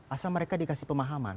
asal mereka dikasih pemahaman